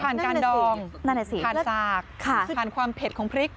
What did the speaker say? ผ่านการดองผ่านสากผ่านความเผ็ดของพริก